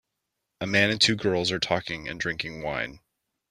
A man and two girls are talking and drinking wine.